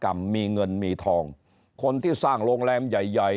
มีเงินมีทองคนที่สร้างโรงแรมใหญ่ใหญ่